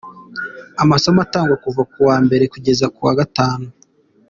Amasomo atangwa kuva kuwa Mbere kugeza kuwa Gatanu.